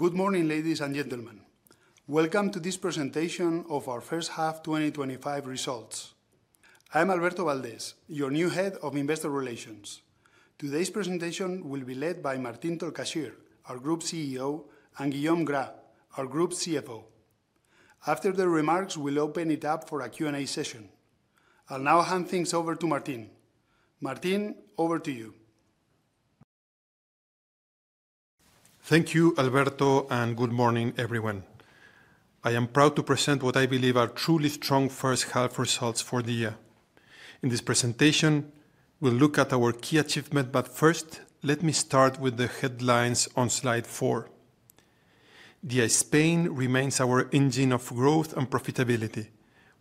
Good morning, ladies and gentlemen. Welcome to this presentation of our first half 2025 results. I am Alberto Valdes, your new Head of Investor Relations. Today's presentation will be led by Martín Tolcachir, our Group CEO, and Guillaume Gras, our Group CFO. After their remarks, we'll open it up for a Q&A session. I'll now hand things over to Martín. Martín, over to you. Thank you, Alberto, and good morning, everyone. I am proud to present what I believe are truly strong first half results for the year. In this presentation, we'll look at our key achievements, but first, let me start with the headlines on slide 4. Spain remains our engine of growth and profitability,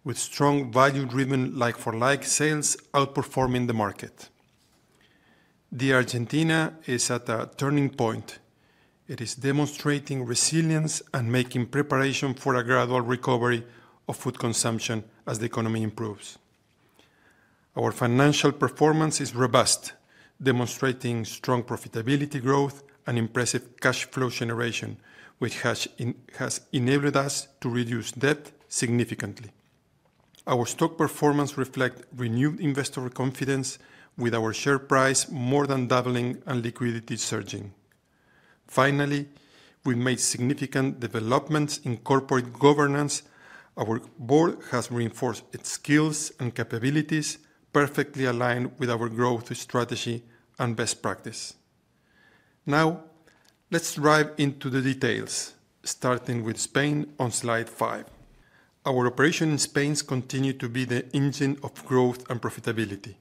with strong value-driven like-for-like sales outperforming the market. Argentina is at a turning point. It is demonstrating resilience and making preparation for a gradual recovery of food consumption as the economy improves. Our financial performance is robust, demonstrating strong profitability growth and impressive cash flow generation, which has enabled us to reduce debt significantly. Our stock performance reflects renewed investor confidence, with our share price more than doubling and liquidity surging. Finally, we've made significant developments in corporate governance. Our board has reinforced its skills and capabilities, perfectly aligned with our growth strategy and best practice. Now, let's dive into the details, starting with Spain on slide 5. Our operations in Spain continue to be the engine of growth and profitability.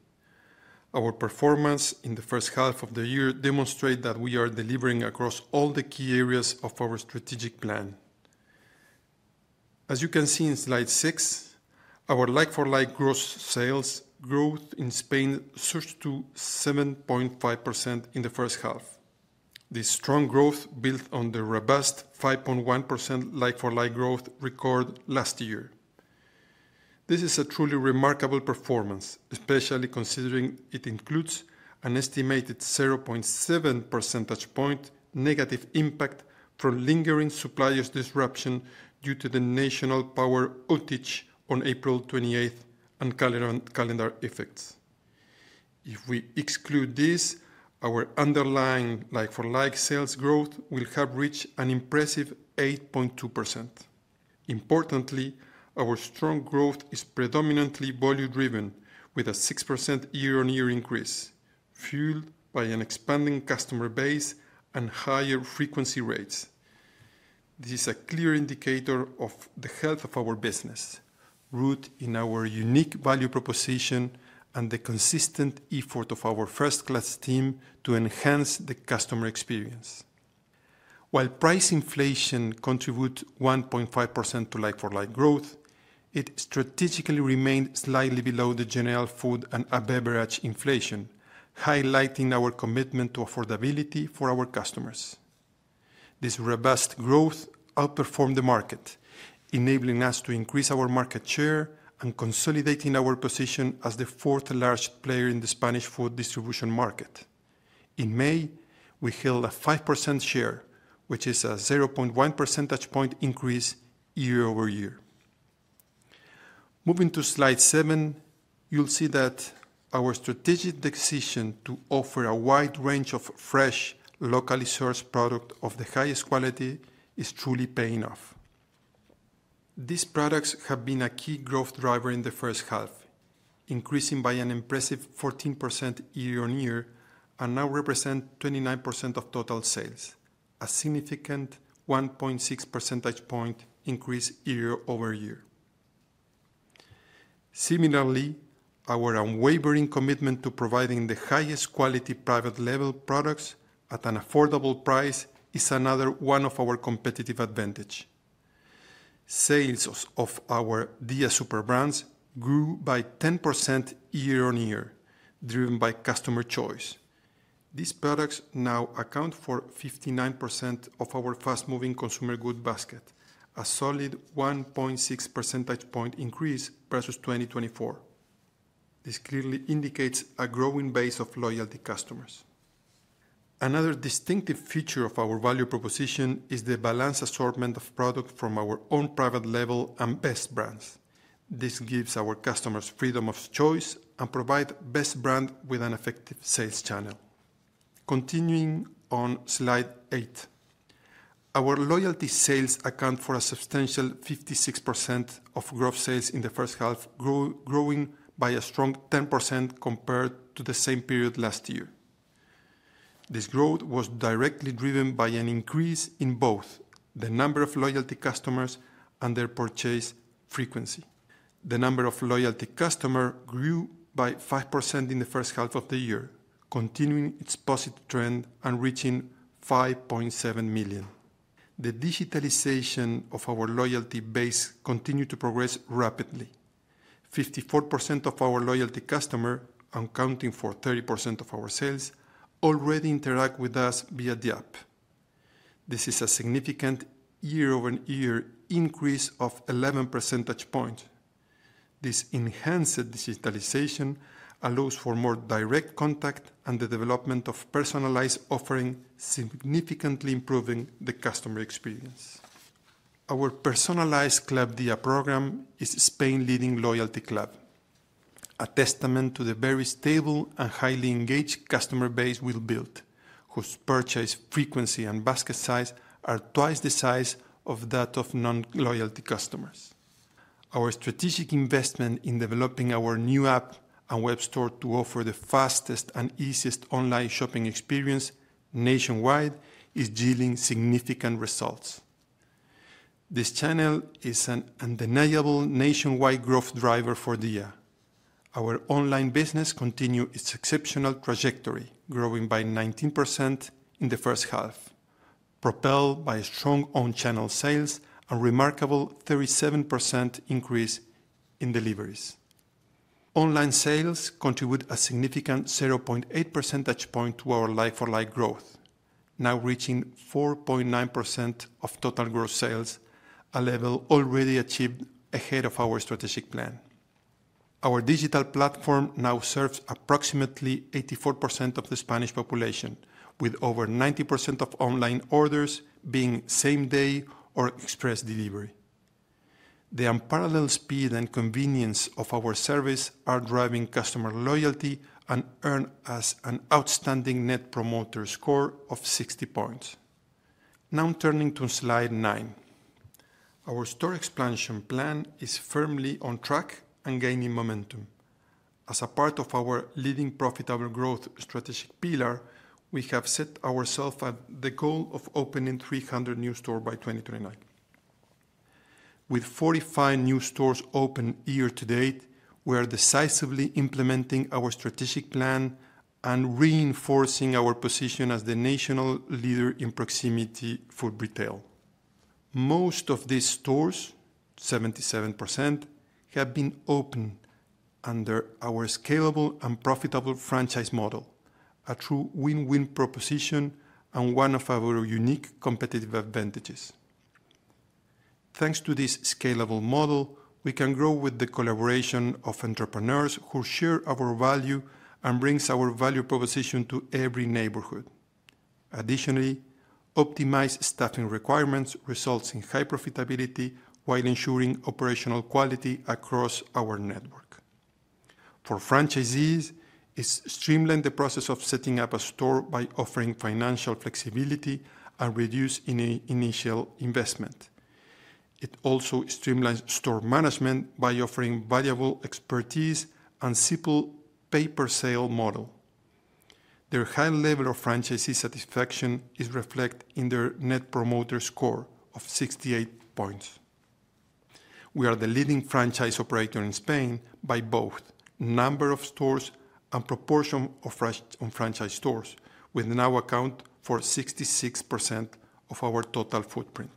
Our performance in the first half of the year demonstrates that we are delivering across all the key areas of our strategic plan. As you can see in slide 6, our like-for-like sales growth in Spain surged to 7.5% in the first half. This strong growth builds on the robust 5.1% like-for-like growth recorded last year. This is a truly remarkable performance, especially considering it includes an estimated 0.7 percentage point negative impact from lingering supply disruption due to the national power outage on April 28 and calendar effects. If we exclude this, our underlying like-for-like sales growth would have reached an impressive 8.2%. Importantly, our strong growth is predominantly value-driven, with a 6% year-on-year increase, fueled by an expanding customer base and higher frequency rates. This is a clear indicator of the health of our business, rooted in our unique value proposition and the consistent effort of our first-class team to enhance the customer experience. While price inflation contributes 1.5% to like-for-like growth, it strategically remains slightly below the general food and beverage inflation, highlighting our commitment to affordability for our customers. This robust growth outperformed the market, enabling us to increase our market share and consolidating our position as the fourth largest player in the Spanish food distribution market. In May, we held a 5% share, which is a 0.1 percentage point increase year-over-year. Moving to slide 7, you'll see that our strategic decision to offer a wide range of fresh, locally sourced products of the highest quality is truly paying off. These products have been a key growth driver in the first half, increasing by an impressive 14% year-on-year and now represent 29% of total sales, a significant 1.6 percentage point increase year-over-year. Similarly, our unwavering commitment to providing the highest quality private label products at an affordable price is another one of our competitive advantages. Sales of our Dia super brands grew by 10% year-on-year, driven by customer choice. These products now account for 59% of our fast-moving consumer goods basket, a solid 1.6 percentage point increase vs 2023. This clearly indicates a growing base of loyalty customers. Another distinctive feature of our value proposition is the balanced assortment of products from our own private label and best brands. This gives our customers freedom of choice and provides the best brand with an effective sales channel. Continuing on slide 8, our loyalty sales account for a substantial 56% of gross sales in the first half, growing by a strong 10% compared to the same period last year. This growth was directly driven by an increase in both the number of loyalty customers and their purchase frequency. The number of loyalty customers grew by 5% in the first half of the year, continuing its positive trend and reaching 5.7 million. The digitalization of our loyalty base continues to progress rapidly. 54% of our loyalty customers, accounting for 30% of our sales, already interact with us via the app. This is a significant year-over-year increase of 11 percentage points. This enhanced digitalization allows for more direct contact and the development of personalized offerings, significantly improving the customer experience. Our personalized Club Dia program is Spain's leading loyalty club. A testament to the very stable and highly engaged customer base we've built, whose purchase frequency and basket size are twice the size of that of non-loyalty customers. Our strategic investment in developing our new app and web store to offer the fastest and easiest online shopping experience nationwide is yielding significant results. This channel is an undeniable nationwide growth driver for Dia. Our online business continues its exceptional trajectory, growing by 19% in the first half, propelled by strong on-channel sales and a remarkable 37% increase in deliveries. Online sales contribute a significant 0.8% to our like-for-like growth, now reaching 4.9% of total gross sales, a level already achieved ahead of our strategic plan. Our digital platform now serves approximately 84% of the Spanish population, with over 90% of online orders being same-day or express delivery. The unparalleled speed and convenience of our service are driving customer loyalty and earn us an outstanding Net Promoter Score of 60 points. Now turning to slide 9, our store expansion plan is firmly on track and gaining momentum. As a part of our leading profitable growth strategic pillar, we have set ourselves the goal of opening 300 new stores by 2029. With 45 new stores open year to date, we are decisively implementing our strategic plan and reinforcing our position as the national leader in proximity food retail. Most of these stores, 77%, have been opened under our scalable and profitable franchise model, a true win-win proposition and one of our unique competitive advantages. Thanks to this scalable model, we can grow with the collaboration of entrepreneurs who share our value and bring our value proposition to every neighborhood. Additionally, optimized staffing requirements result in high profitability while ensuring operational quality across our network. For franchisees, it streamlines the process of setting up a store by offering financial flexibility and reducing initial investment. It also streamlines store management by offering valuable expertise and a simple pay-per-sale model. Their high level of franchisee satisfaction is reflected in their Net Promoter Score of 68 points. We are the leading franchise operator in Spain by both number of stores and proportion of franchise stores, with now accounting for 66% of our total footprint.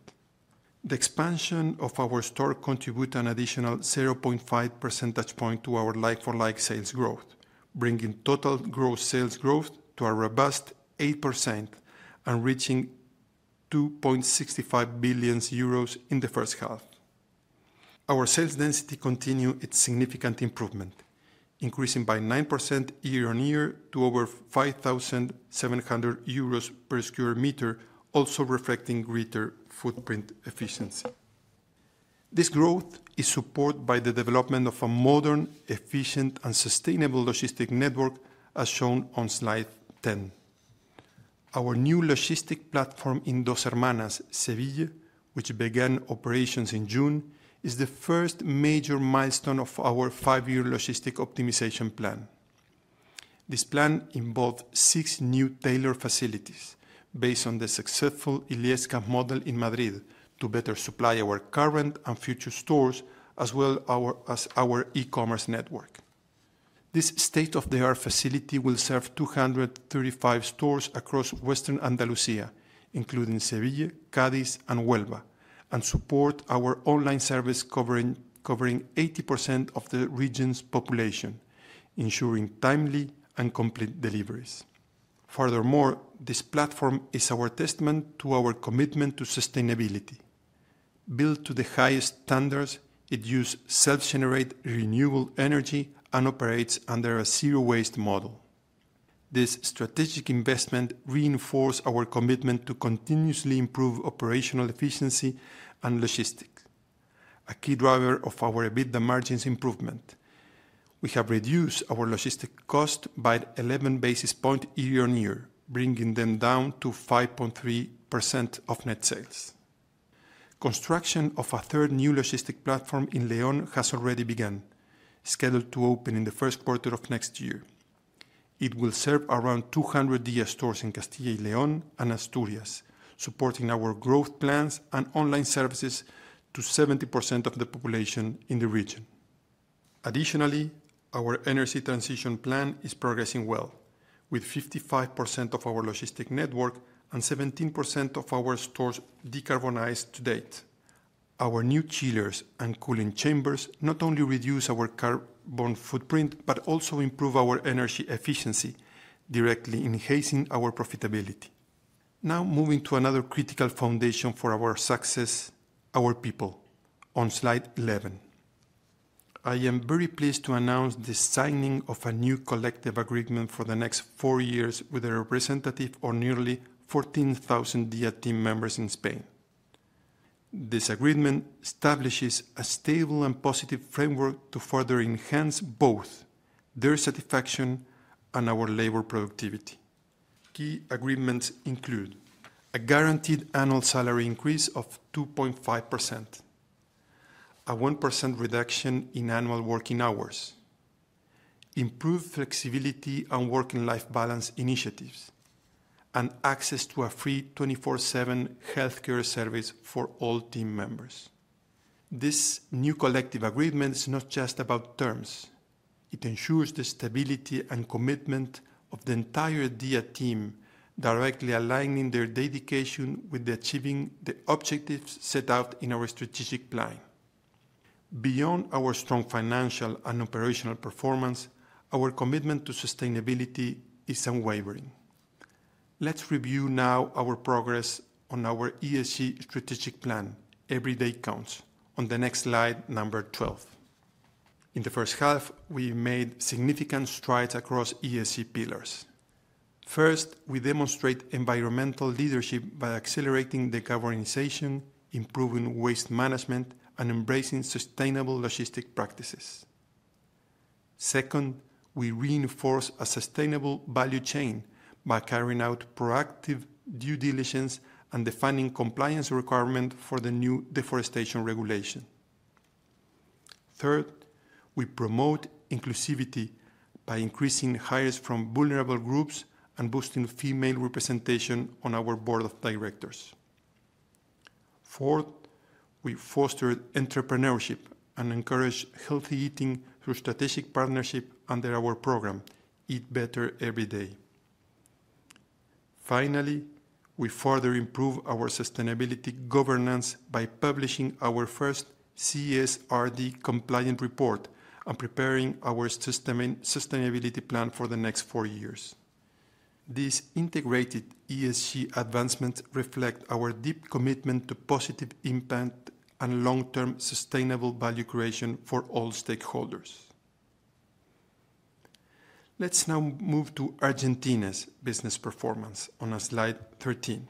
The expansion of our store contributes an additional 0.5% to our like-for-like sales growth, bringing total gross sales growth to a robust 8% and reaching 2.65 billion euros in the first half. Our sales density continues its significant improvement, increasing by 9% year-on-year to over 5,700 euros/sq m, also reflecting greater footprint efficiency. This growth is supported by the development of a modern, efficient, and sustainable logistics network, as shown on slide 10. Our new logistics platform in Dos Hermanas, Seville, which began operations in June, is the first major milestone of our five-year logistics optimization plan. This plan involves six new tailored facilities based on the successful Illescas model in Madrid to better supply our current and future stores, as well as our e-commerce network. This state-of-the-art facility will serve 235 stores across western Andalusía, including Seville, Cádiz, and Huelva, and supports our online service covering 80% of the region's population, ensuring timely and complete deliveries. Furthermore, this platform is a testament to our commitment to sustainability. Built to the highest standards, it uses self-generated renewable energy and operates under a zero-waste model. This strategic investment reinforces our commitment to continuously improve operational efficiency and logistics, a key driver of our EBITDA margin's improvement. We have reduced our logistics costs by 11 basis points year-on-year, bringing them down to 5.3% of net sales. Construction of a third new logistics platform in León has already begun, scheduled to open in the first quarter of next year. It will serve around 200 Dia stores in Castilla y León and Asturias, supporting our growth plans and online services to 70% of the population in the region. Additionally, our energy transition plan is progressing well, with 55% of our logistics network and 17% of our stores decarbonized to date. Our new chillers and cooling chambers not only reduce our carbon footprint but also improve our energy efficiency, directly enhancing our profitability. Now moving to another critical foundation for our success: our people. On slide 11, I am very pleased to announce the signing of a new collective labor agreement for the next four years with a representative of nearly 14,000 Dia team members in Spain. This agreement establishes a stable and positive framework to further enhance both their satisfaction and our labor productivity. Key agreements include a guaranteed annual salary increase of 2.5%, a 1% reduction in annual working hours, improved flexibility and working-life balance initiatives, and access to a free 24/7 healthcare service for all team members. This new collective labor agreement is not just about terms. It ensures the stability and commitment of the entire Dia team, directly aligning their dedication with achieving the objectives set out in our strategic plan. Beyond our strong financial and operational performance, our commitment to sustainability is unwavering. Let's review now our progress on our ESG strategic plan. Every day counts. On the next slide, number 12. In the first half, we made significant strides across ESG pillars. First, we demonstrate environmental leadership by accelerating decarbonization, improving waste management, and embracing sustainable logistics practices. Second, we reinforce a sustainable value chain by carrying out proactive due diligence and defining compliance requirements for the new deforestation regulation. Third, we promote inclusivity by increasing hires from vulnerable groups and boosting female representation on our board of directors. Fourth, we foster entrepreneurship and encourage healthy eating through strategic partnership under our program, Eat Better Every Day. Finally, we further improve our sustainability governance by publishing our first CSRD compliance report and preparing our sustainability plan for the next four years. These integrated ESG advancements reflect our deep commitment to positive impact and long-term sustainable value creation for all stakeholders. Let's now move to Argentina's business performance on slide 13.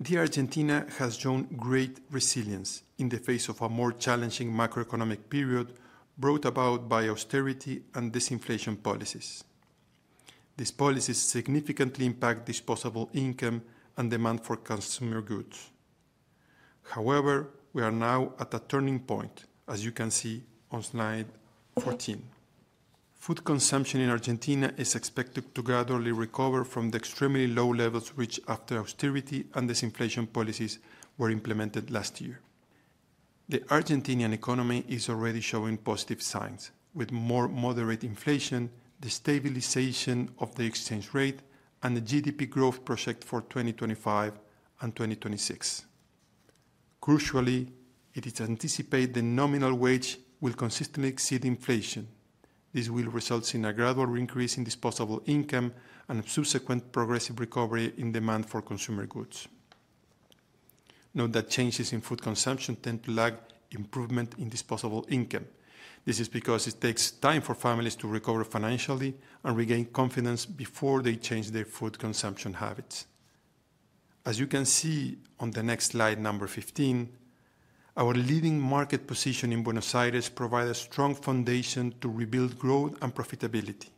Dia Argentina has shown great resilience in the face of a more challenging macroeconomic period brought about by austerity and disinflation policies. These policies significantly impact disposable income and demand for consumer goods. However, we are now at a turning point, as you can see on slide 14. Food consumption in Argentina is expected to gradually recover from the extremely low levels reached after austerity and disinflation policies were implemented last year. The Argentinian economy is already showing positive signs, with more moderate inflation, the stabilization of the exchange rate, and the GDP growth projected for 2025 and 2026. Crucially, it is anticipated that nominal wages will consistently exceed inflation. This will result in a gradual increase in disposable income and a subsequent progressive recovery in demand for consumer goods. Note that changes in food consumption tend to lag improvement in disposable income. This is because it takes time for families to recover financially and regain confidence before they change their food consumption habits. As you can see on the next slide, number 15, our leading market position in Buenos Aires provides a strong foundation to rebuild growth and profitability.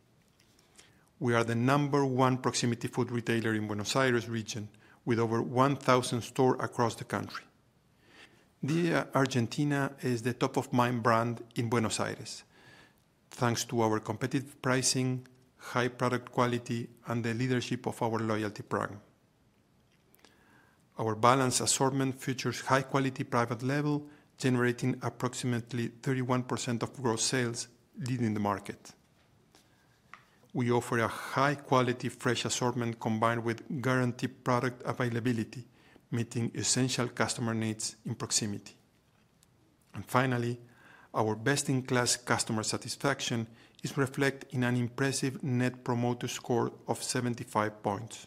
We are the number one proximity food retailer in the Buenos Aires region, with over 1,000 stores across the country. Dia Argentina is the top-of-mind brand in Buenos Aires, thanks to our competitive pricing, high product quality, and the leadership of our loyalty program. Our balanced assortment features high-quality private label, generating approximately 31% of gross sales, leading the market. We offer a high-quality fresh assortment combined with guaranteed product availability, meeting essential customer needs in proximity. Our best-in-class customer satisfaction is reflected in an impressive Net Promoter Score of 75 points.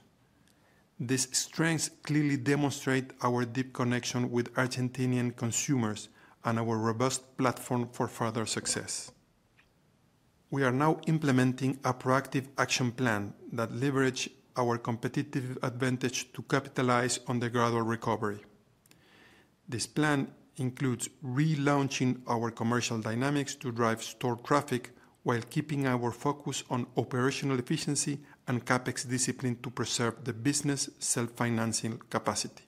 These strengths clearly demonstrate our deep connection with Argentinian consumers and our robust platform for further success. We are now implementing a proactive action plan that leverages our competitive advantage to capitalize on the gradual recovery. This plan includes relaunching our commercial dynamics to drive store traffic while keeping our focus on operational efficiency and CapEx discipline to preserve the business's self-financing capacity.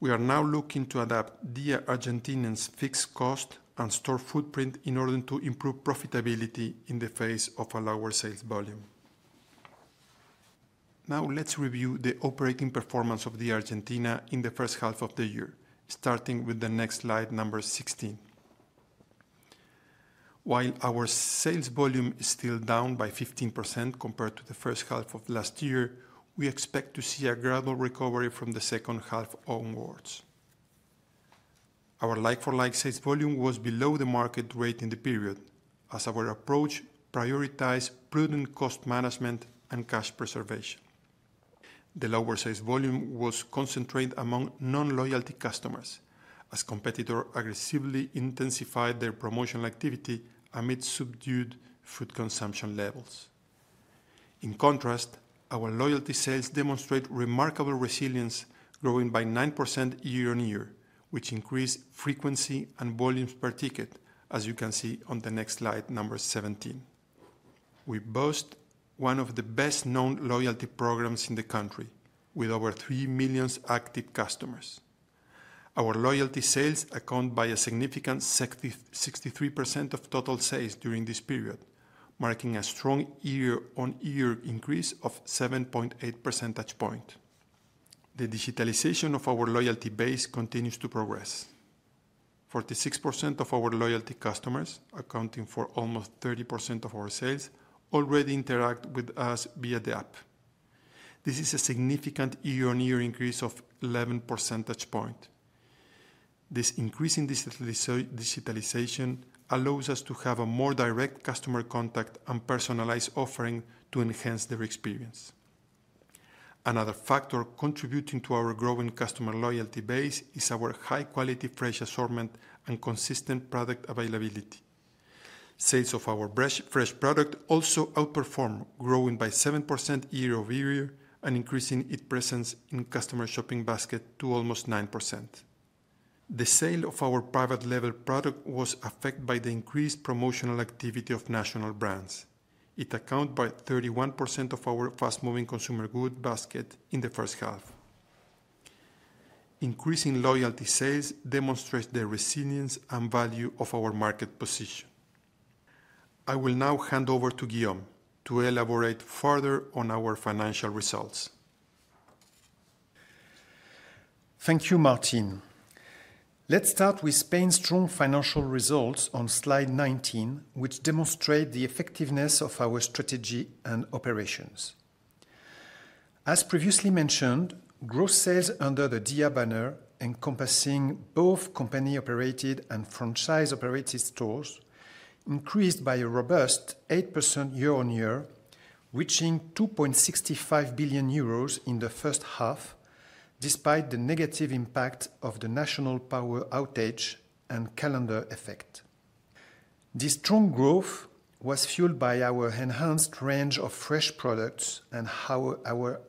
We are now looking to adapt Dia Argentina's fixed cost and store footprint in order to improve profitability in the face of lower sales volume. Now, let's review the operating performance of Dia Argentina in the first half of the year, starting with the next slide, number 16. While our sales volume is still down by 15% compared to the first half of last year, we expect to see a gradual recovery from the second half onwards. Our like-for-like sales volume was below the market rate in the period, as our approach prioritized prudent cost management and cash preservation. The lower sales volume was concentrated among non-loyalty customers, as competitors aggressively intensified their promotional activity amid subdued food consumption levels. In contrast, our loyalty sales demonstrate remarkable resilience, growing by 9% year-on-year, which increases frequency and volumes per ticket, as you can see on the next slide, number 17. We boast one of the best-known loyalty programs in the country, with over 3 million active customers. Our loyalty sales account for a significant 63% of total sales during this period, marking a strong year-on-year increase of 7.8 percentage points. The digitalization of our loyalty base continues to progress. 46% of our loyalty customers, accounting for almost 30% of our sales, already interact with us via the app. This is a significant year-on-year increase of 11 percentage points. This increase in digitalization allows us to have a more direct customer contact and personalized offering to enhance their experience. Another factor contributing to our growing customer loyalty base is our high-quality fresh assortment and consistent product availability. Sales of our fresh products also outperform, growing by 7% year-over-year and increasing its presence in customer shopping baskets to almost 9%. The sale of our private label products was affected by the increased promotional activity of national brands. It accounts for 31% of our fast-moving consumer goods basket in the first half. Increasing loyalty sales demonstrates the resilience and value of our market position. I will now hand over to Guillaume to elaborate further on our financial results. Thank you, Martín. Let's start with Spain's strong financial results on slide 19, which demonstrate the effectiveness of our strategy and operations. As previously mentioned, gross sales under the Dia banner, encompassing both company-operated and franchise-operated stores, increased by a robust 8% year-on-year, reaching 2.65 billion euros in the first half, despite the negative impact of the national power outage and calendar effect. This strong growth was fueled by our enhanced range of fresh products and our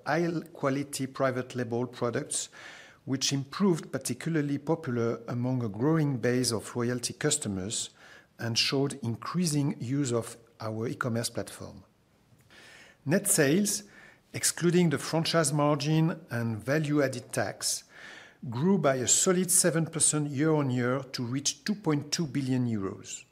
high-quality private label products, which proved particularly popular among a growing base of loyalty customers and showed increasing use of our e-commerce platform. Net sales, excluding the franchise margin and value-added tax, grew by a solid 7% year-on-year to reach 2.2 billion euros.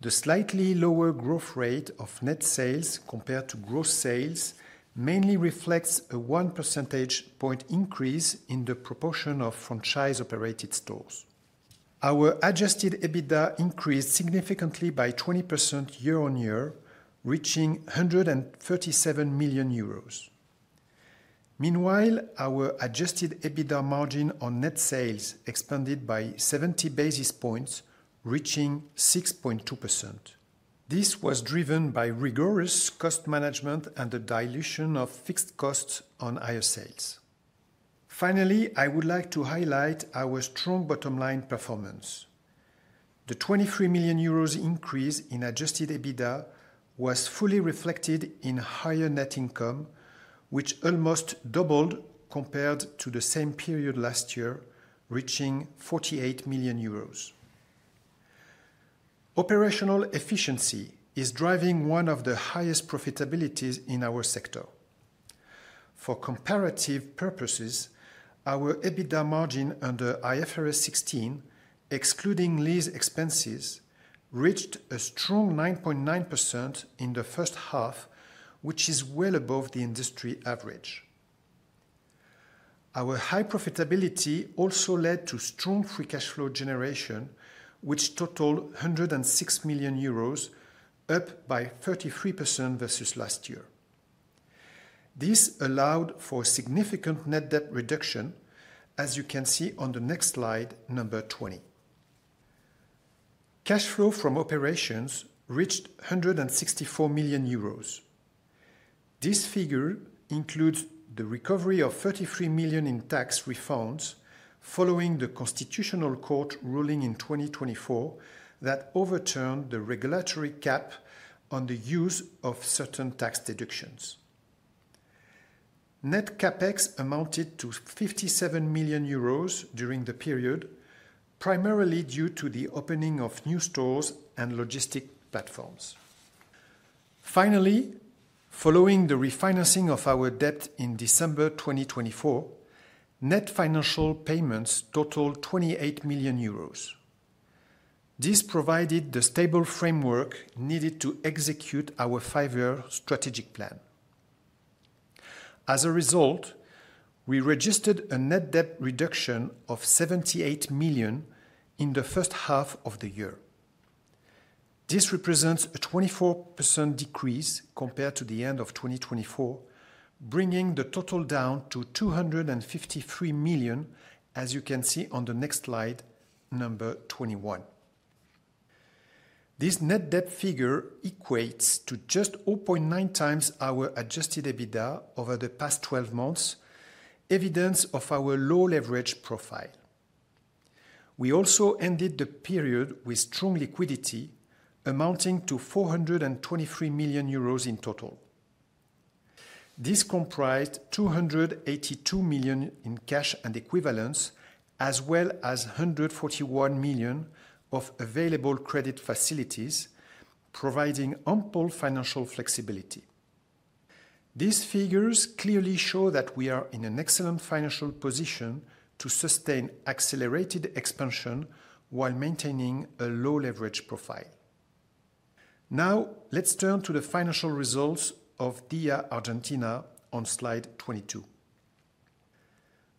The slightly lower growth rate of net sales compared to gross sales mainly reflects a 1 percentage point increase in the proportion of franchise-operated stores. Our adjusted EBITDA increased significantly by 20% year-on-year, reaching EUR 137 million. Meanwhile, our adjusted EBITDA margin on net sales expanded by 70 basis points, reaching 6.2%. This was driven by rigorous cost management and the dilution of fixed costs on our sales. Finally, I would like to highlight our strong bottom-line performance. The 23 million euros increase in adjusted EBITDA was fully reflected in higher net income, which almost doubled compared to the same period last year, reaching 48 million euros. Operational efficiency is driving one of the highest profitabilities in our sector. For comparative purposes, our EBITDA margin under IFRS 16, excluding lease expenses, reached a strong 9.9% in the first half, which is well above the industry average. Our high profitability also led to strong free cash flow generation, which totaled 106 million euros, up by 33% vs last year. This allowed for a significant net debt reduction, as you can see on the next slide, number 20. Cash flow from operations reached 164 million euros. This figure includes the recovery of 33 million in tax refunds following the Constitutional Court ruling in 2024 that overturned the regulatory cap on the use of certain tax deductions. Net CapEx amounted to 57 million euros during the period, primarily due to the opening of new stores and logistics platforms. Finally, following the refinancing of our debt in December 2024, net financial payments totaled 28 million euros. This provided the stable framework needed to execute our five-year strategic plan. As a result, we registered a net debt reduction of 78 million in the first half of the year. This represents a 24% decrease compared to the end of 2024, bringing the total down to 253 million, as you can see on the next slide, number 21. This net debt figure equates to just 0.9x our adjusted EBITDA over the past 12 months, evidence of our low leverage profile. We also ended the period with strong liquidity, amounting to 423 million euros in total. This comprised 282 million in cash and equivalents, as well as 141 million of available credit facilities, providing ample financial flexibility. These figures clearly show that we are in an excellent financial position to sustain accelerated expansion while maintaining a low leverage profile. Now, let's turn to the financial results of Dia Argentina on slide 22.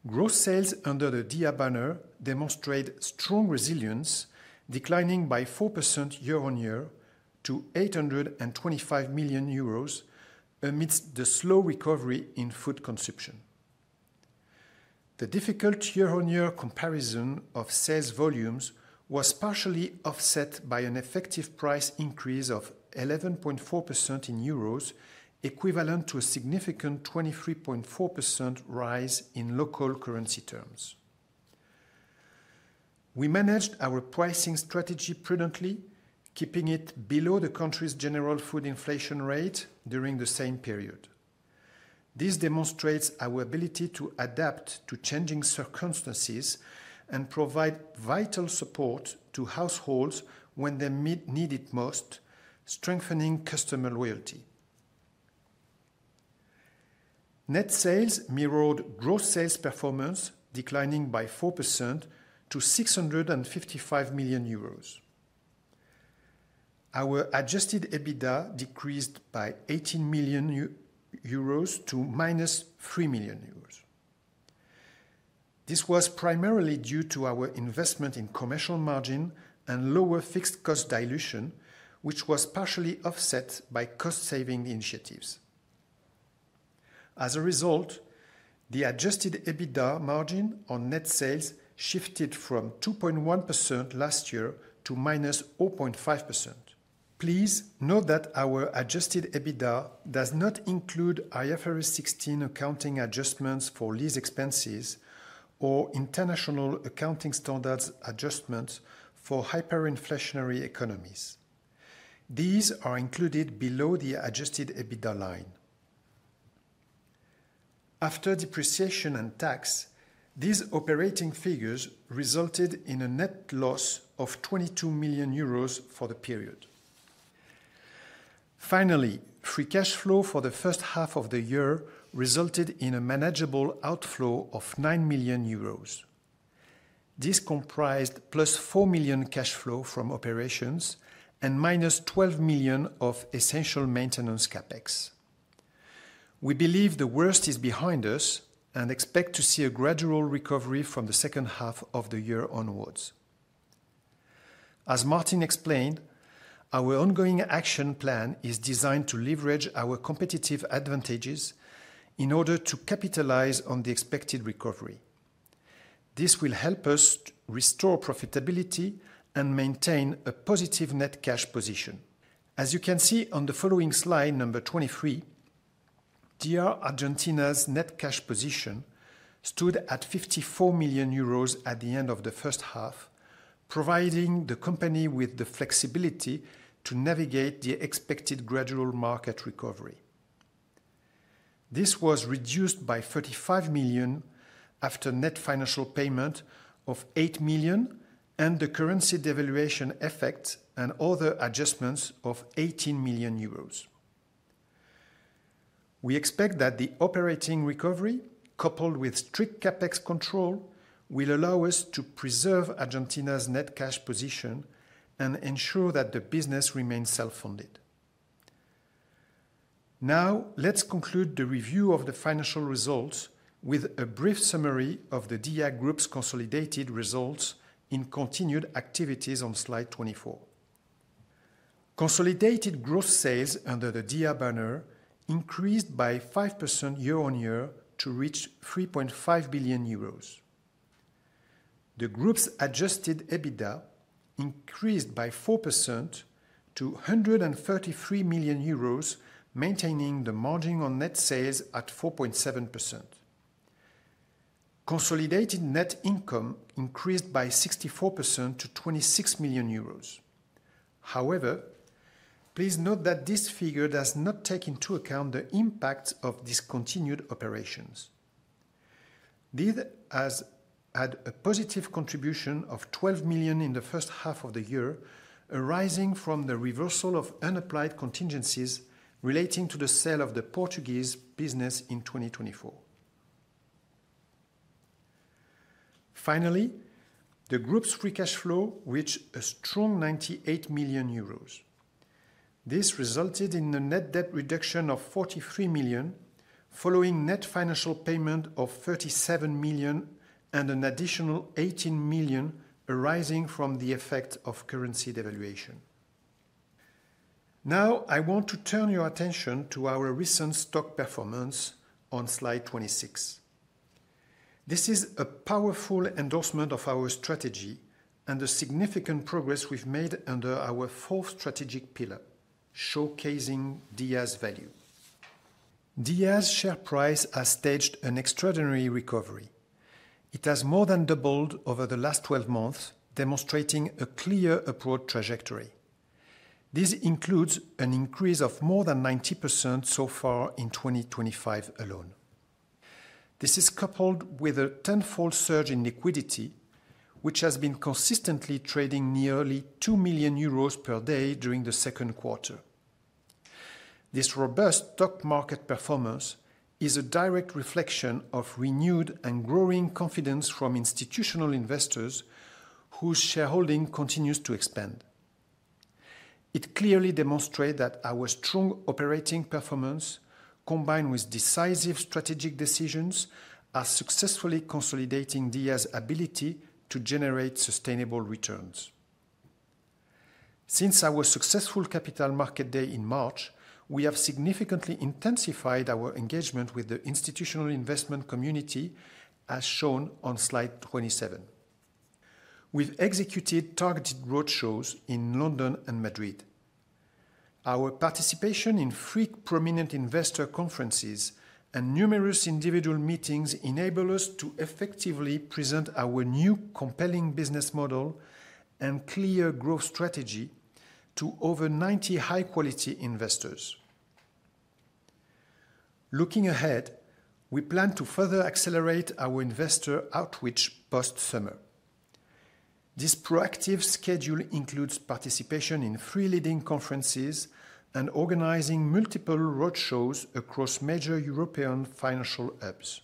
Gross sales under the Dia banner demonstrate strong resilience, declining by 4% year-on-year to 825 million euros amidst the slow recovery in food consumptions. The difficult year-on-year comparison of sales volumes was partially offset by an effective price increase of 11.4% in Euros, equivalent to a significant 23.4% rise in local currency terms. We managed our pricing strategy prudently, keeping it below the country's general food inflation rate during the same period. This demonstrates our ability to adapt to changing circumstances and provide vital support to households when they need it most, strengthening customer loyalty. Net sales mirrored gross sales performance, declining by 4% to 655 million euros. Our adjusted EBITDA decreased by 18 million euros to -3 million euros. This was primarily due to our investment in commercial margin and lower fixed cost dilution, which was partially offset by cost-saving initiatives. As a result, the adjusted EBITDA margin on net sales shifted from 2.1% last year to -0.5%. Please note that our adjusted EBITDA does not include IFRS 16 accounting adjustments for lease expenses or international accounting standards adjustments for hyperinflationary economies. These are included below the adjusted EBITDA line. After depreciation and tax, these operating figures resulted in a net loss of 22 million euros for the period. Finally, free cash flow for the first half of the year resulted in a manageable outflow of 9 million euros. This comprised +4 million cash flow from operations and -12 million of essential maintenance CapEx. We believe the worst is behind us and expect to see a gradual recovery from the second half of the year onwards. As Martín explained, our ongoing action plan is designed to leverage our competitive advantages in order to capitalize on the expected recovery. This will help us restore profitability and maintain a positive net cash position. As you can see on the following slide, number 23, Dia Argentina's net cash position stood at 54 million euros at the end of the first half, providing the company with the flexibility to navigate the expected gradual market recovery. This was reduced by 35 million after net financial payment of 8 million and the currency devaluation effects and other adjustments of 18 million euros. We expect that the operating recovery, coupled with strict CapEx control, will allow us to preserve Argentina's net cash position and ensure that the business remains self-funded. Now, let's conclude the review of the financial results with a brief summary of the Dia Group's consolidated results in continued activities on slide 24. Consolidated gross sales under the Dia banner increased by 5% year-on-year to reach 3.5 billion euros. The Group's adjusted EBITDA increased by 4% to 133 million euros, maintaining the margin on net sales at 4.7%. Consolidated net income increased by 64% to 26 million euros. However, please note that this figure does not take into account the impact of discontinued operations. This has had a positive contribution of 12 million in the first half of the year, arising from the reversal of unapplied contingencies relating to the sale of the Portuguese business in 2024. Finally, the Group's free cash flow reached a strong 98 million euros. This resulted in a net debt reduction of 43 million, following net financial payment of 37 million and an additional 18 million arising from the effects of currency devaluation. Now, I want to turn your attention to our recent stock performance on slide 26. This is a powerful endorsement of our strategy and the significant progress we've made under our fourth strategic pillar, showcasing Dia's value. Dia's share price has staged an extraordinary recovery. It has more than doubled over the last 12 months, demonstrating a clear upward trajectory. This includes an increase of more than 90% so far in 2025 alone. This is coupled with a tenfold surge in liquidity, which has been consistently trading nearly 2 million euros/day during the second quarter. This robust stock market performance is a direct reflection of renewed and growing confidence from institutional investors, whose shareholding continues to expand. It clearly demonstrates that our strong operating performance, combined with decisive strategic decisions, are successfully consolidating Dia's ability to generate sustainable returns. Since our successful Capital Market Day in March, we have significantly intensified our engagement with the institutional investment community, as shown on slide 27. We've executed targeted roadshows in London and Madrid. Our participation in free, prominent investor conferences and numerous individual meetings enable us to effectively present our new, compelling business model and clear growth strategy to over 90 high-quality investors. Looking ahead, we plan to further accelerate our investor outreach post-summer. This proactive schedule includes participation in three leading conferences and organizing multiple roadshows across major European financial hubs.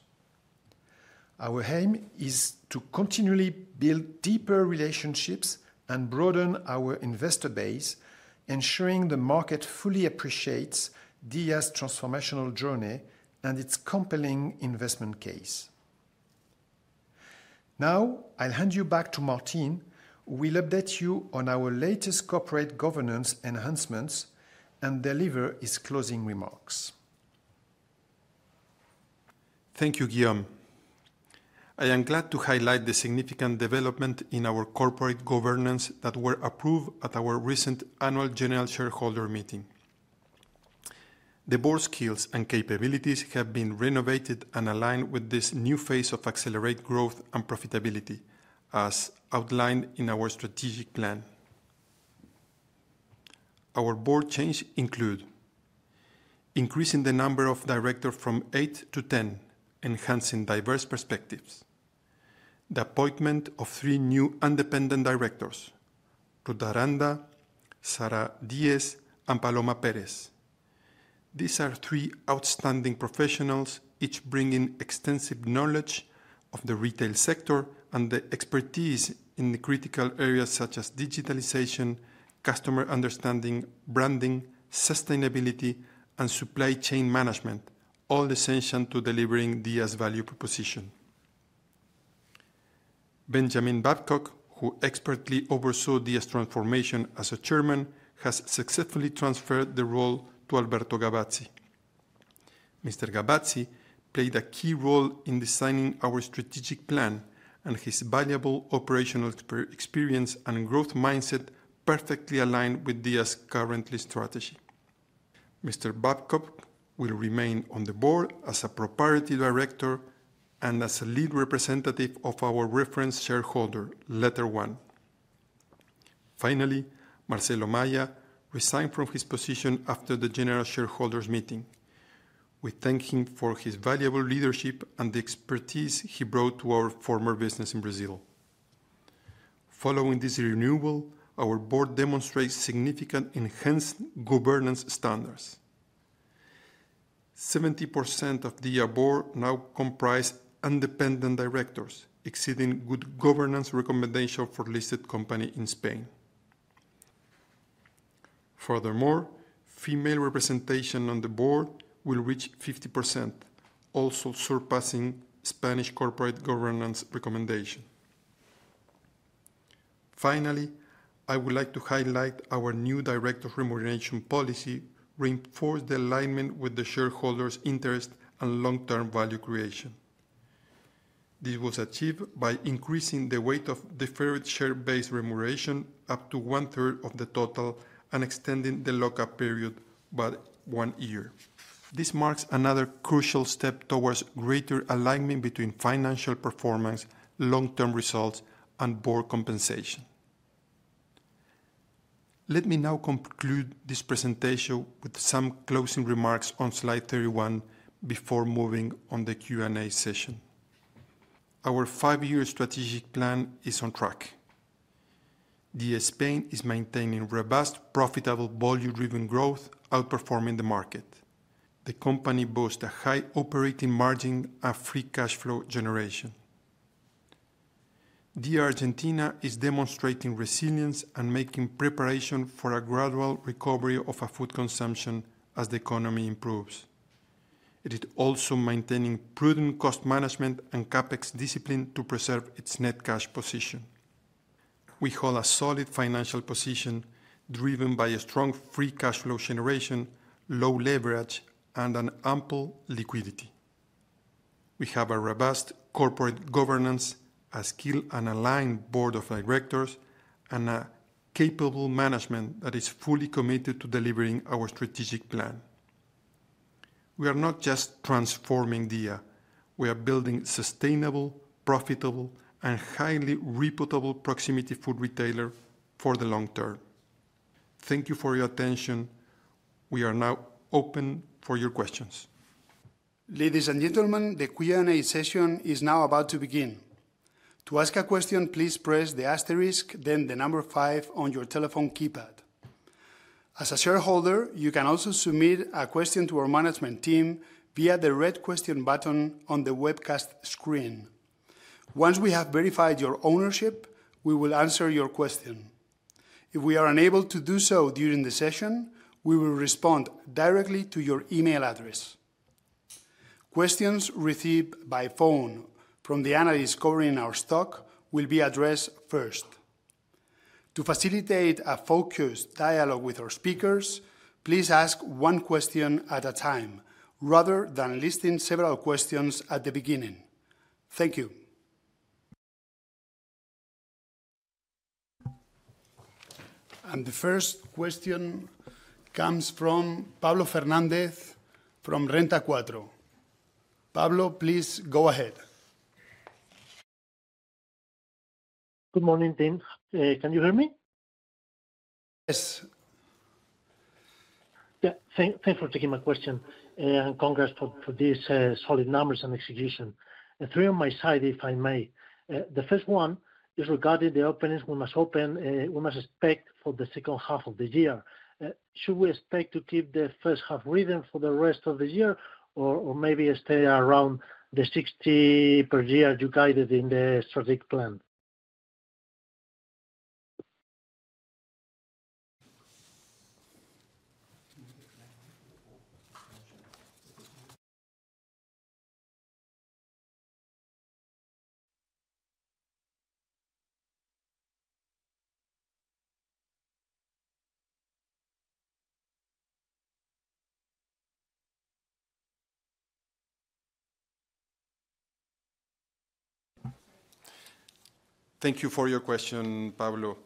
Our aim is to continually build deeper relationships and broaden our investor base, ensuring the market fully appreciates Dia Group's transformational journey and its compelling investment case. Now, I'll hand you back to Martín, who will update you on our latest corporate governance enhancements and deliver his closing remarks. Thank you, Guillaume. I am glad to highlight the significant developments in our corporate governance that were approved at our recent annual general shareholder meeting. The Board's skills and capabilities have been renovated and aligned with this new phase of accelerated growth and profitability, as outlined in our strategic plan. Our Board changes include increasing the number of directors from 8-10, enhancing diverse perspectives, and the appointment of three new independent directors: Ruth Aranda, Sara Díaz, and Paloma Pérez. These are three outstanding professionals, each bringing extensive knowledge of the retail sector and expertise in critical areas such as digitalization, customer understanding, branding, sustainability, and supply chain management, all essential to delivering Dia's value proposition. Benjamin Babcock, who expertly oversaw Dia's transformation as Chairman, has successfully transferred the role to Alberto Gavazzi. Mr. Gavazzi played a key role in designing our strategic plan, and his valuable operational experience and growth mindset perfectly align with Dia's current strategy. Mr. Babcock will remain on the Board as a proprietary director and as a lead representative of our reference shareholder, Letter One. Finally, Marcelo Maia resigned from his position after the general shareholders' meeting. We thank him for his valuable leadership and the expertise he brought to our former business in Brazil. Following this renewal, our Board demonstrates significantly enhanced governance standards. 70% of Dia's Board now comprises independent directors, exceeding good governance recommendations for listed companies in Spain. Furthermore, female representation on the Board will reach 50%, also surpassing Spanish corporate governance recommendations. Finally, I would like to highlight our new directors' remuneration policy, which reinforces alignment with the shareholders' interests and long-term value creation. This was achieved by increasing the weight of deferred share-based remuneration up to one-third of the total and extending the lock-up period by one year. This marks another crucial step towards greater alignment between financial performance, long-term results, and Board compensation. Let me now conclude this presentation with some closing remarks on slide 31 before moving on to the Q&A session. Our five-year strategic plan is on track. Dia Spain is maintaining robust, profitable, volume-driven growth, outperforming the market. The company boasts a high operating margin and free cash flow generation. Dia Argentina is demonstrating resilience and making preparations for a gradual recovery of food consumption as the economy improves. It is also maintaining prudent cost management and CapEx discipline to preserve its net cash position. We hold a solid financial position, driven by a strong free cash flow generation, low leverage, and ample liquidity. We have robust corporate governance, a skilled and aligned Board of Directors, and a capable management that is fully committed to delivering our strategic plan. We are not just transforming Dia; we are building a sustainable, profitable, and highly reputable proximity food retailer for the long term. Thank you for your attention. We are now open for your questions. Ladies and gentlemen, the Q&A session is now about to begin. To ask a question, please press the asterisk, then the number five on your telephone keypad. As a shareholder, you can also submit a question to our management team via the red question button on the webcast screen. Once we have verified your ownership, we will answer your question. If we are unable to do so during the session, we will respond directly to your email address. Questions received by phone from the analysts covering our stock will be addressed first. To facilitate a focused dialogue with our speakers, please ask one question at a time, rather than listing several questions at the beginning. Thank you. The first question comes from Pablo Fernández from Renta 4. Pablo, please go ahead. Good morning, team. Can you hear me? Yes. Yeah, thanks for taking my question. Congrats for these solid numbers and execution. Three on my side, if I may. The first one is regarding the openings we must expect for the second half of the year. Should we expect to keep the first half rhythm for the rest of the year, or maybe stay around the 60/year you guided in the strategic plan? Thank you for your question, Pablo.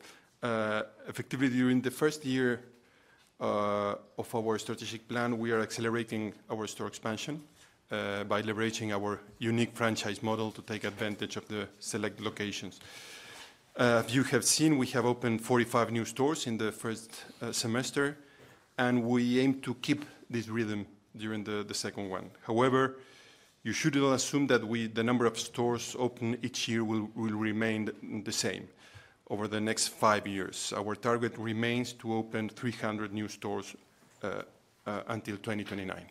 Effectively, during the first year of our strategic plan, we are accelerating our store expansion by leveraging our unique franchise model to take advantage of the select locations. As you have seen, we have opened 45 new stores in the first semester, and we aim to keep this rhythm during the second one. However, you should not assume that the number of stores opened each year will remain the same over the next five years. Our target remains to open 300 new stores until 2029.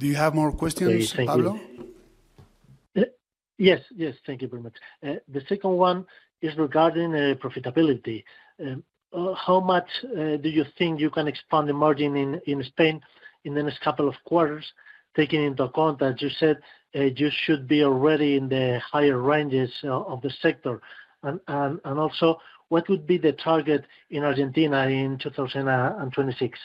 Do you have more questions, Pablo? Yes, yes, thank you very much. The second one is regarding profitability. How much do you think you can expand the margin in Spain in the next couple of quarters, taking into account that you said you should be already in the higher ranges of the sector? Also, what would be the target in Argentina in 2026?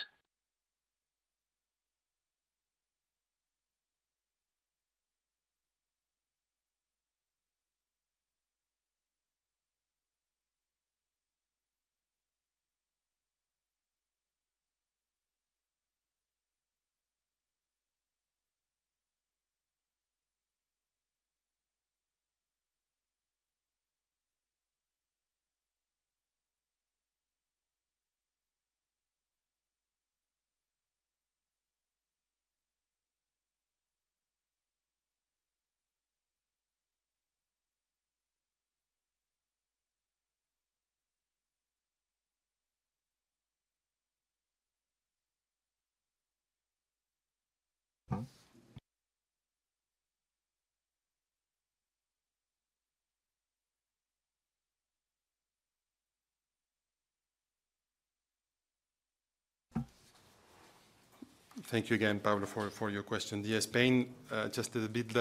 Thank you again, Pablo, for your question. Yes, Spain, just a bit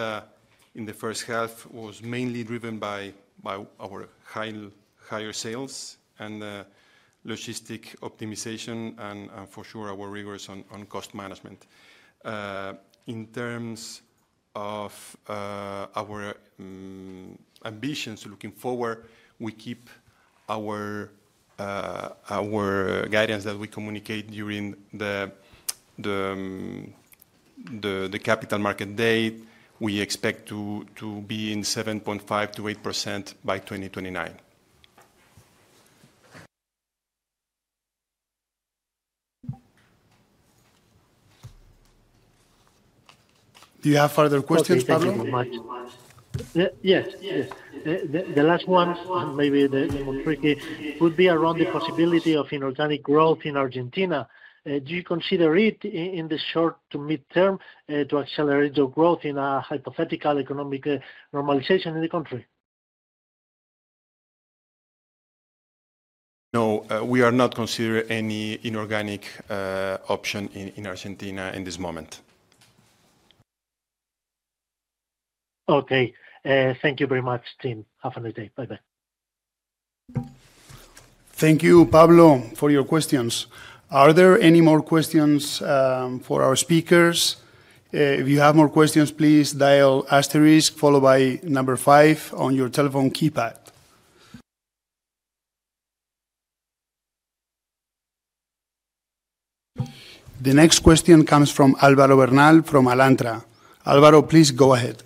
in the first half, was mainly driven by our higher sales and logistics optimization, and for sure, our rigors on cost management. In terms of our ambitions looking forward, we keep our guidance that we communicated during the Capital Market Day. We expect to be in 7.5%-8% by 2029. Do you have further questions, Pablo? Yes, the last one, maybe the most tricky, would be around the possibility of inorganic growth in Argentina. Do you consider it in the short to mid-term to accelerate your growth in a hypothetical economic normalization in the country? No, we are not considering any inorganic option in Argentina at this moment. Okay, thank you very much, team. Have a nice day. Bye-bye. Thank you, Pablo, for your questions. Are there any more questions for our speakers? If you have more questions, please dial asterisk followed by number five on your telephone keypad. The next question comes from Álvaro Bernal from Alantra. Álvaro, please go ahead.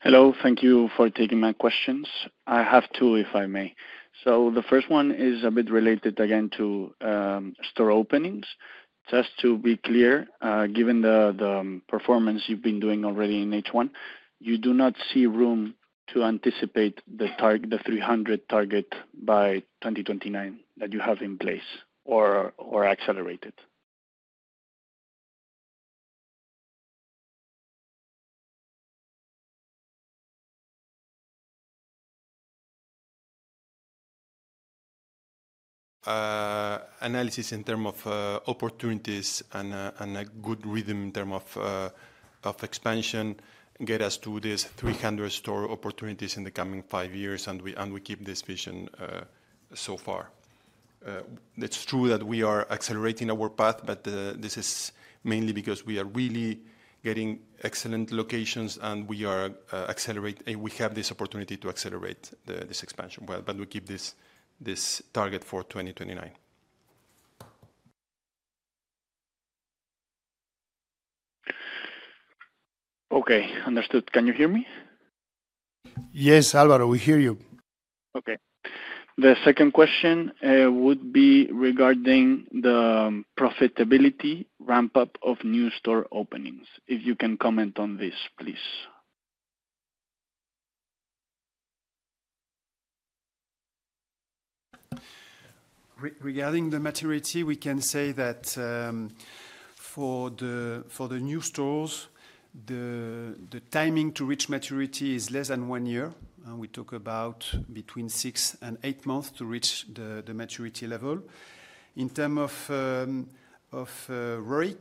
Hello, thank you for taking my questions. I have two, if I may. The first one is a bit related again to store openings. Just to be clear, given the performance you've been doing already in H1, you do not see room to anticipate the 300 target by 2029 that you have in place or accelerate it? Analysis in terms of opportunities and a good rhythm in terms of expansion gets us to these 300 store opportunities in the coming five years, and we keep this vision so far. It's true that we are accelerating our path, this is mainly because we are really getting excellent locations, and we have this opportunity to accelerate this expansion, but we keep this target for 2029. Okay, understood. Can you hear me? Yes, Álvaro, we hear you. Okay. The second question would be regarding the profitability ramp-up of new store openings, if you can comment on this, please. Regarding the maturity, we can say that for the new stores, the timing to reach maturity is less than one year. We talk about between six and eight months to reach the maturity level. In terms of ROIC,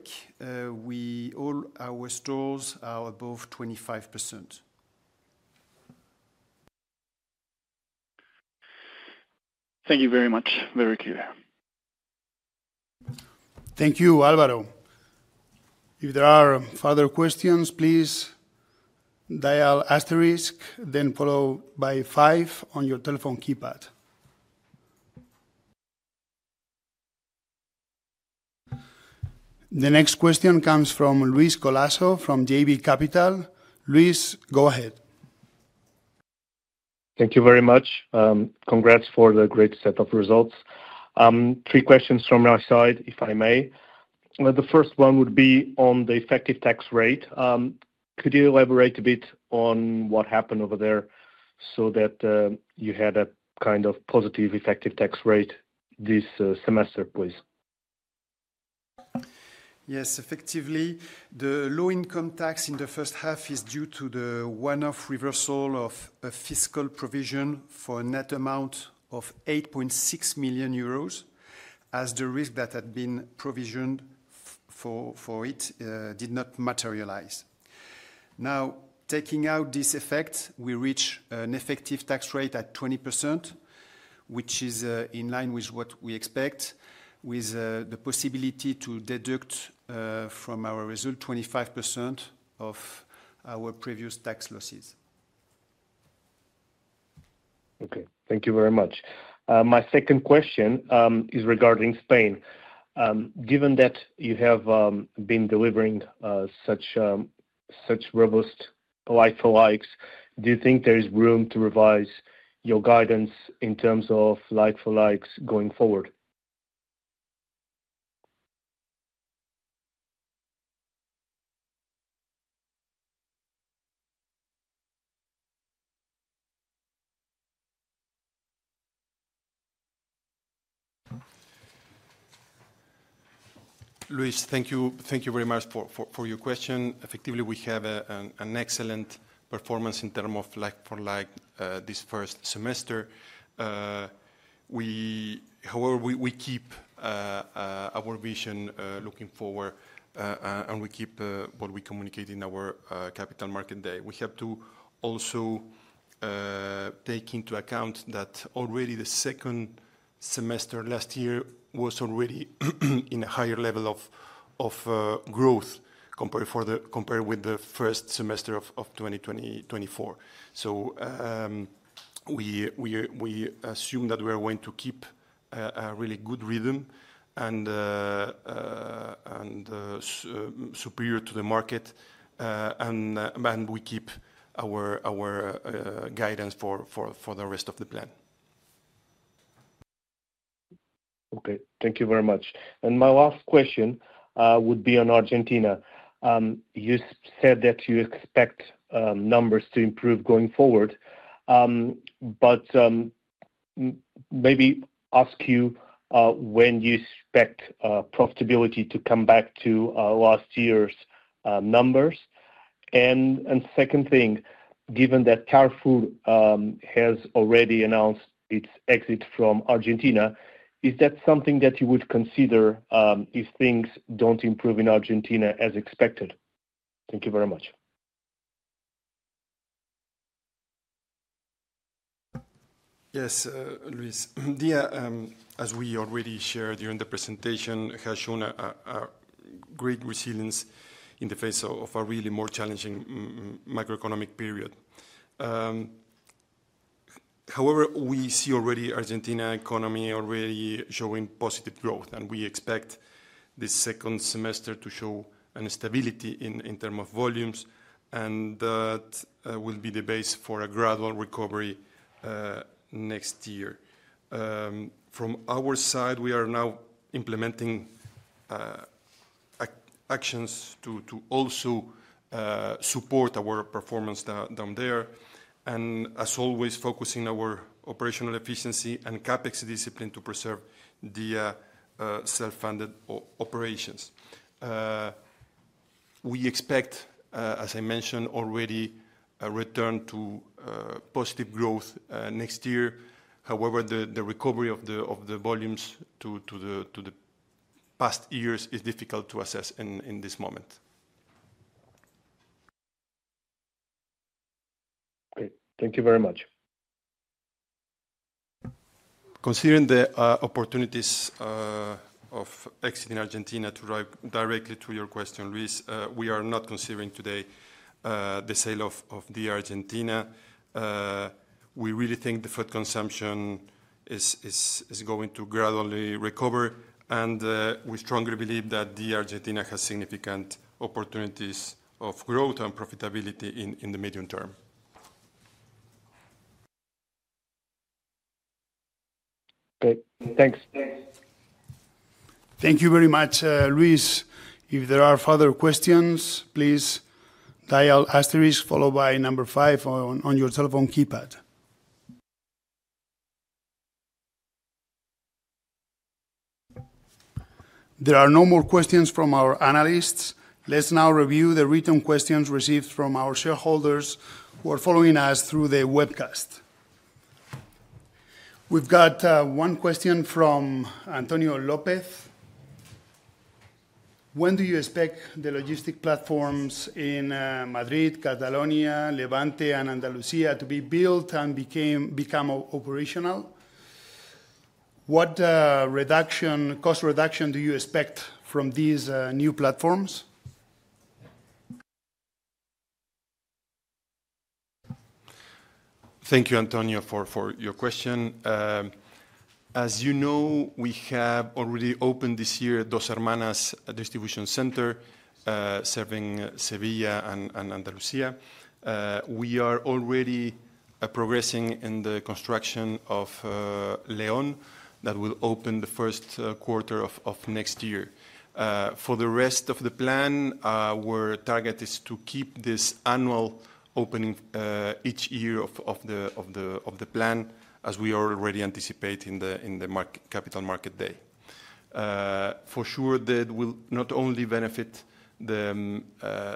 all our stores are above 25%. Thank you very much. Very clear. Thank you, Álvaro. If there are further questions, please dial asterisk, then followed by five on your telephone keypad. The next question comes from Luis Colaço from JB Capital. Luis, go ahead. Thank you very much. Congrats for the great set of results. Three questions from our side, if I may. The first one would be on the effective tax rate. Could you elaborate a bit on what happened over there so that you had a kind of positive effective tax rate this semester, please? Yes, effectively, the low-income tax in the first half is due to the one-off reversal of a fiscal provision for a net amount of 8.6 million euros, as the risk that had been provisioned for it did not materialize. Now, taking out this effect, we reach an effective tax rate at 20%, which is in line with what we expect, with the possibility to deduct from our result 25% of our previous tax losses. Okay, thank you very much. My second question is regarding Spain. Given that you have been delivering such robust like for likes, do you think there is room to revise your guidance in terms of like for likes going forward? Luis, thank you very much for your question. Effectively, we have an excellent performance in terms of like for likes this first semester. However, we keep our vision looking forward, and we keep what we communicate in our Capital Market Day. We have to also take into account that already the second semester last year was already at a higher level of growth compared with the first semester of 2024. We assume that we are going to keep a really good rhythm and superior to the market, and we keep our guidance for the rest of the plan. Okay, thank you very much. My last question would be on Argentina. You said that you expect numbers to improve going forward. Maybe ask you when you expect profitability to come back to last year's numbers. The second thing, given that Carrefour has already announced its exit from Argentina, is that something that you would consider if things don't improve in Argentina as expected? Thank you very much. Yes, Luis. Dia, as we already shared during the presentation, has shown great resilience in the face of a really more challenging macroeconomic period. However, we see already the Argentina economy already showing positive growth, and we expect the second semester to show stability in terms of volumes, and that will be the base for a gradual recovery next year. From our side, we are now implementing actions to also support our performance down there, and as always, focusing on our operational efficiency and CAPEX discipline to preserve the self-funded operations. We expect, as I mentioned already, a return to positive growth next year. However, the recovery of the volumes to the past years is difficult to assess in this moment. Okay, thank you very much. Considering the opportunities of exiting Argentina, to directly to your question, Luis, we are not considering today the sale of Dia Argentina. We really think the food consumption is going to gradually recover, and we strongly believe that Dia Argentina has significant opportunities of growth and profitability in the medium term. Okay, thanks. Thank you very much, Luis. If there are further questions, please dial asterisk followed by number five on your telephone keypad. There are no more questions from our analysts. Let's now review the written questions received from our shareholders who are following us through the webcast. We've got one question from Antonio López. When do you expect the logistic platforms in Madrid, Catalonia, Levante, and Andalusía to be built and become operational? What cost reduction do you expect from these new platforms? Thank you, Antonio, for your question. As you know, we have already opened this year at Dos Hermanas Distribution Center, serving Sevilla and Andalusía. We are already progressing in the construction of León that will open the first quarter of next year. For the rest of the plan, our target is to keep this annual opening each year of the plan, as we are already anticipating in the Capital Market Day. For sure, that will not only benefit the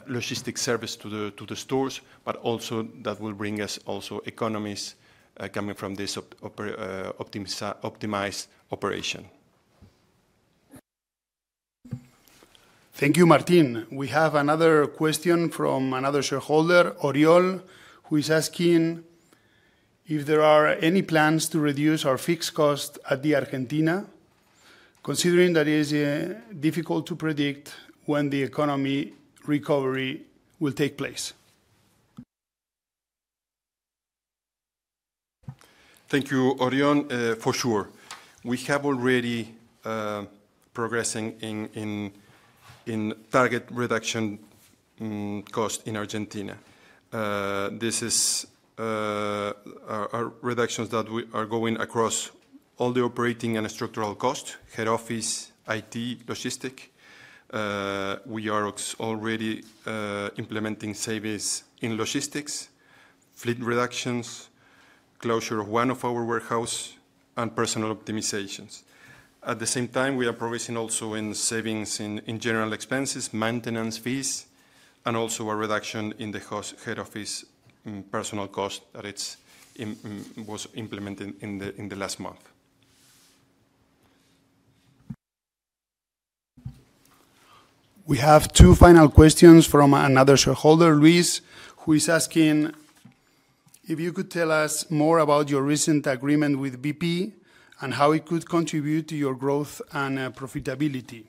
logistics service to the stores, but also that will bring us also economies coming from this optimized operation. Thank you, Martín. We have another question from another shareholder, Oriol, who is asking if there are any plans to reduce our fixed cost at Dia Argentina, considering that it is difficult to predict when the economy recovery will take place? Thank you, Oriol. For sure, we have already progressed in target reduction costs in Argentina. This is reductions that are going across all the operating and structural costs: head office, IT, logistics. We are already implementing savings in logistics, fleet reductions, closure of one of our warehouses, and personnel optimizations. At the same time, we are provisioning also savings in general expenses, maintenance fees, and also a reduction in the head office personnel cost that was implemented in the last month. We have two final questions from another shareholder, Luis, who is asking if you could tell us more about your recent agreement with BP and how it could contribute to your growth and profitability.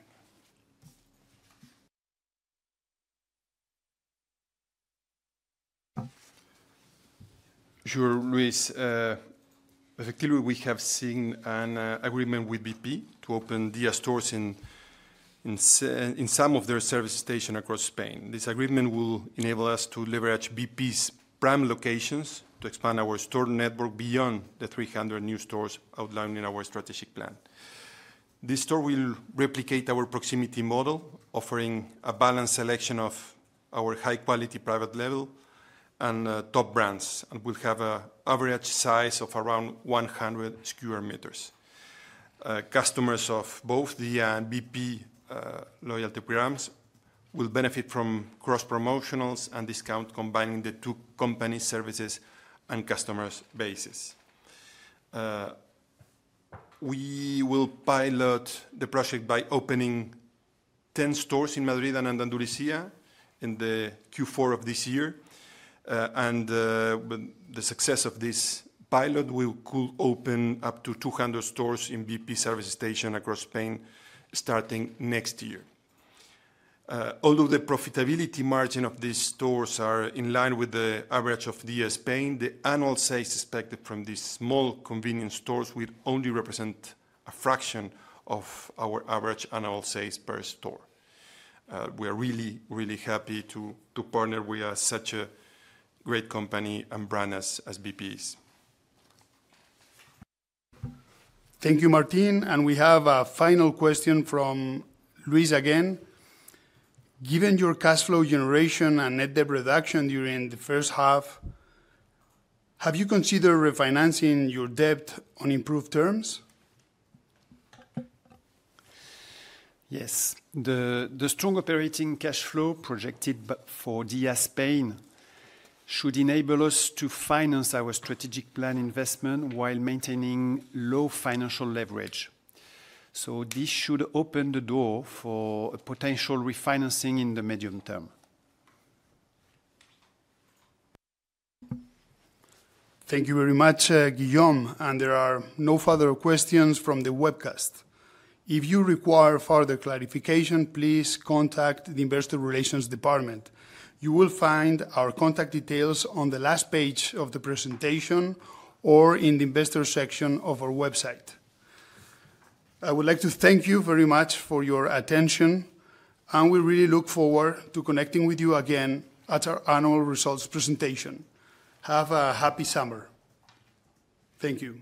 Sure, Luis. Effectively, we have seen an agreement with BP to open Dia stores in some of their service stations across Spain. This agreement will enable us to leverage BP's prime locations to expand our store network beyond the 300 new stores outlined in our strategic plan. This store will replicate our proximity model, offering a balanced selection of our high-quality private label and top brands, and will have an average size of around 100 sq m. Customers of both Dia and BP loyalty programs will benefit from cross-promotions and discounts combining the two company services and customer bases. We will pilot the project by opening 10 stores in Madrid and Andalusía in Q4 of this year, and the success of this pilot will could open up to 200 stores in BP service stations across Spain starting next year. Although the profitability margin of these stores is in line with the average of Dia Spain, the annual sales expected from these small convenience stores would only represent a fraction of our average annual sales per store. We are really, really happy to partner with such a great company and brand as BP is. Thank you, Martín. We have a final question from Luis again. Given your cash flow generation and net debt reduction during the first half, have you considered refinancing your debt on improved terms? Yes, the strong operating cash flow projected for Dia Spain should enable us to finance our strategic plan investment while maintaining low financial leverage. This should open the door for a potential refinancing in the medium term. Thank you very much, Guillaume, and there are no further questions from the webcast. If you require further clarification, please contact the Investor Relations Department. You will find our contact details on the last page of the presentation or in the Investors section of our website. I would like to thank you very much for your attention, and we really look forward to connecting with you again at our annual results presentation. Have a happy summer. Thank you.